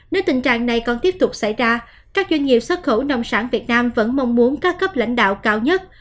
nếu tình trạng này còn tiếp tục xảy ra các doanh nghiệp xuất khẩu nông sản việt nam vẫn mong muốn các cấp lãnh đạo cao nhất